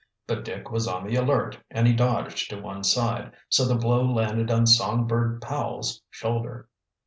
But Dick was on the alert and he dodged to one side, so the blow landed on Songbird Powell's shoulder.